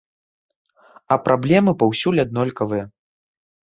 А праблемы паўсюль аднолькавыя.